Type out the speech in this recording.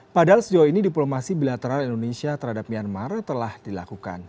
padahal sejauh ini diplomasi bilateral indonesia terhadap myanmar telah dilakukan